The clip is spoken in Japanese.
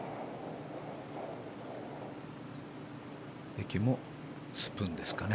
英樹もスプーンですかね。